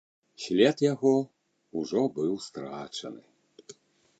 След яго ўжо быў страчаны.